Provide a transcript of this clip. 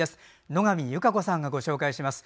野上優佳子さんがご紹介します。